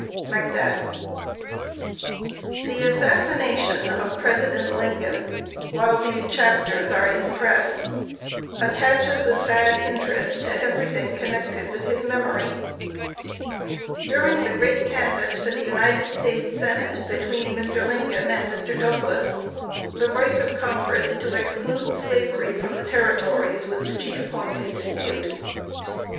MACBETH. [Sidenote: REMINISCENCES OF ABRAHAM LINCOLN.] The assassination of President Lincoln, while these chapters are in press, attaches a sad interest to everything connected with his memory. During the great canvass for the United States Senate, between Mr. Lincoln and Mr. Douglas, the right of Congress to exclude Slavery from the Territories was the chief point in dispute.